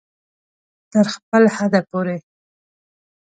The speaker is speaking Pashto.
تر خپل حده پورې